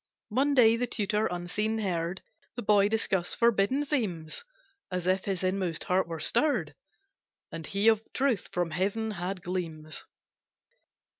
One day the tutor unseen heard The boy discuss forbidden themes, As if his inmost heart were stirred, And he of truth from heaven had gleams.